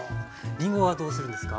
りんごはどうするんですか？